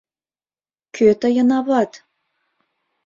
Кӧ тыйын ават?